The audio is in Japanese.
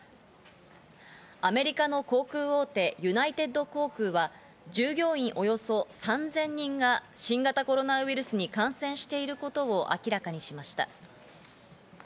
アメリカの航空大手ユナイテッド航空は、従業員およそ３０００人が新型コロナウイルスに感染していることを明らかにしました。